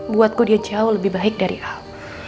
buatku dia jauh lebih baik dari aku